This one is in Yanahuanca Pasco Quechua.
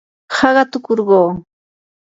haqatukurquu.